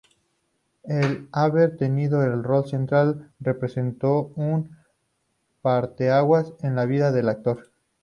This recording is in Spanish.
El haber tenido el rol central representó un parteaguas en la vida del actor.